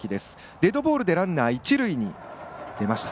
デッドボールでランナー、一塁に出ました。